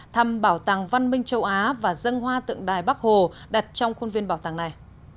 thăm bảo tàng văn minh châu á và dân hoa tượng đài bắc hồ đặt trong khuôn viên bảo tàng này